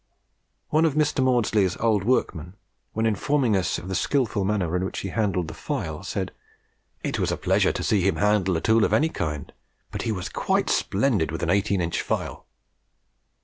One of Mr. Maudslay's old workmen, when informing us of the skilful manner in which he handled the file, said, "It was a pleasure to see him handle a tool of any kind, but he was QUITE SPLENDID with an eighteen inch file!"